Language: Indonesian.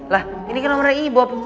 lah ini kan nomornya i bob